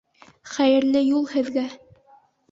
— Хәйерле юл һеҙгә!